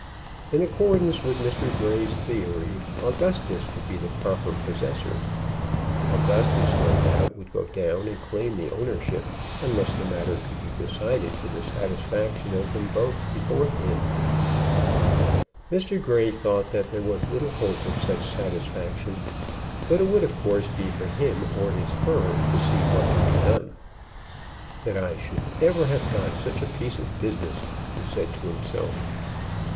In accordance with Mr. Grey's theory, Augustus would be the proper possessor. Augustus, no doubt, would go down and claim the ownership, unless the matter could be decided to the satisfaction of them both beforehand. Mr. Grey thought that there was little hope of such satisfaction; but it would of course be for him or his firm to see what could be done. "That I should ever have got such a piece of business!" he said to himself.